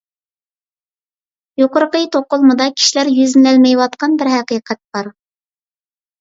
يۇقىرىقى توقۇلمىدا كىشىلەر يۈزلىنەلمەيۋاتقان بىر ھەقىقەت بار.